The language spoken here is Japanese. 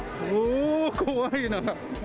おー、怖いな。